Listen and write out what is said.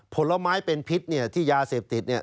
ผลไม้เป็นพิษเนี่ยที่ยาเสพติดเนี่ย